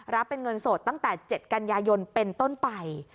รับเป็นเงินสดตั้งแต่๗กันยายนเป็นต้นไป